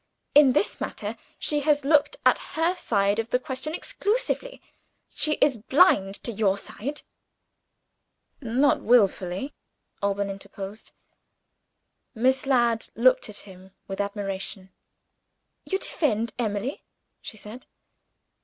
In this matter, she has looked at her side of the question exclusively; she is blind to your side." "Not willfully!" Alban interposed. Miss Ladd looked at him with admiration. "You defend Emily?" she said.